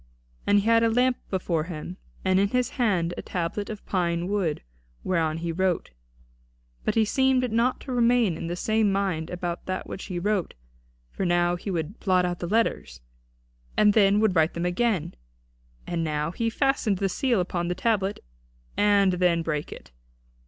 And he had a lamp before him, and in his hand a tablet of pine wood, whereon he wrote. But he seemed not to remain in the same mind about that which he wrote; for now he would blot out the letters, and then would write them again; and now he fastened the seal upon the tablet and then brake it.